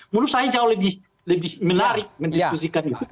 menurut saya jauh lebih menarik mendiskusikan itu